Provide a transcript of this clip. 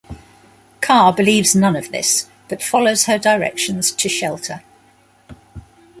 Carr believes none of this, but follows her directions to shelter.